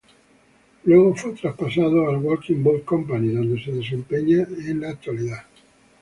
Luego fue traspasado al Walking Bout Company, donde se desempeña en la actualidad.